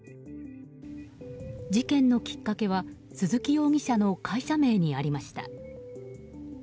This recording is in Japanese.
事件のきっかけは鈴木容疑者の会社名にありました。